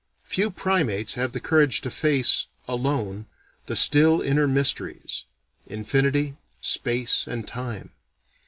Few primates have the courage to face alone the still inner mysteries: Infinity, Space and Time.